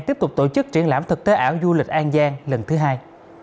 tiếp tục tổ chức triển lãm thực tế ảo du lịch an giang lần thứ hai